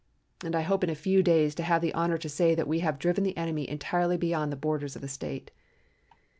And I hope in a few days to have the honor to say that we have driven the enemy entirely beyond the borders of the State.